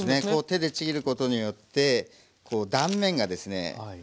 こう手でちぎることによって断面がですね